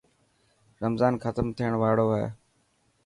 رمضان ختم ٿيڻ واڙو هي.